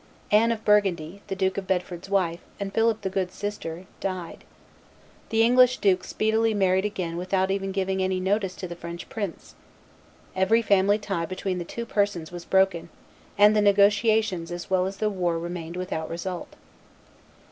Anne of Burgundy, the Duke of Bedford's wife and Philip the Good's sister, died. The English duke speedily married again without even giving any notice to the French prince. Every family tie between the two persons was broken; and the negotiations as well as the war remained without result.